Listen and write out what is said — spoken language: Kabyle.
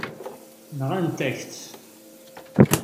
Nɣant-ak-tt.